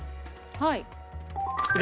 はい。